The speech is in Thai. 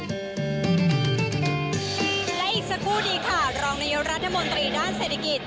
และอีกสักครู่ดีค่ะรองนายกรัฐมนตรีด้านเศรษฐกิจ